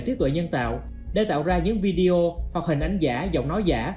trí tuệ nhân tạo để tạo ra những video hoặc hình ảnh giả giọng nói giả